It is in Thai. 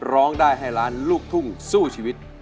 ร้องได้ให้ล้านลูกทุ่งสู้ชีวิต